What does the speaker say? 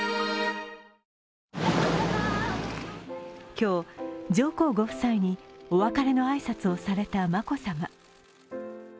今日、上皇ご夫妻にお別れの挨拶をされた眞子さま。